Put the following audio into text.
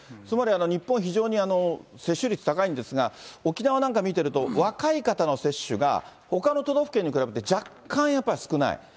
つまり日本、非常に接種率高いんですが、沖縄なんか見てると、若い方の接種が、ほかの都道府県に比べて、若干やっぱり少ない。